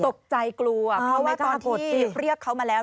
ตกใจกลัวเพราะว่าตอนถูกเรียกเขามาแล้ว